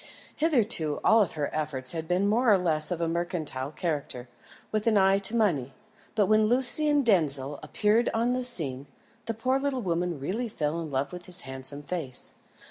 Hitherto all her efforts had been more or less of a mercantile character, with an eye to money; but when Lucian Denzil appeared on the scene, the poor little woman really fell in love with his handsome face.